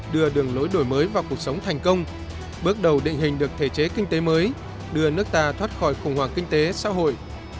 đưa đường lối đổi mới vào cuộc sống thành công bước đầu định hình được thể chế kinh tế mới đưa nước ta thoát khỏi khủng hoảng kinh tế xã hội